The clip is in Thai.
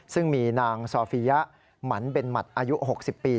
ซึ่งมีนางซอฟิยะหมันเบนหมัดอายุ๖๐ปี